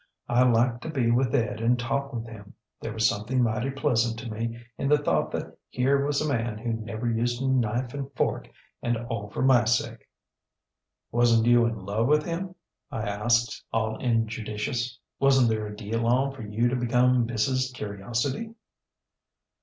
I liked to be with Ed and talk with him. There was something mighty pleasant to me in the thought that here was a man who never used a knife and fork, and all for my sake. ŌĆÖ ŌĆ£ŌĆśWasnŌĆÖt you in love with him? ŌĆÖ I asks, all injudicious. ŌĆśWasnŌĆÖt there a deal on for you to become Mrs. Curiosity?